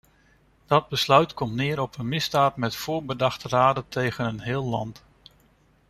Dat besluit komt neer op een misdaad met voorbedachte rade tegen een heel land.